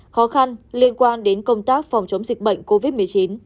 khó khăn liên quan đến công tác phòng chống dịch bệnh covid một mươi chín